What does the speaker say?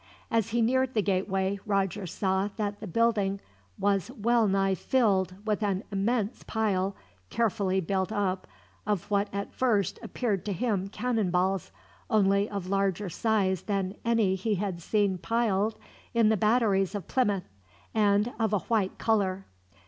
As he neared the gateway, Roger saw that the building was well nigh filled with an immense pile, carefully built up, of what at first appeared to him cannon balls, only of larger size than any he had seen piled in the batteries of Plymouth, and of a white color.